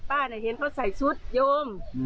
ป๊านี่เห็นเขาใส่ชุดโยม